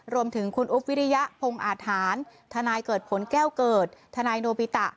รวมถึงคุณอุ๊บวิริยะพงอาทหารทนายเกิดผลแก้วเกิดทนายโนบิตะ